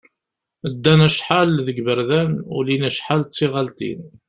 Ddan acḥal deg yiberdan, ulin acḥal d tiɣalin.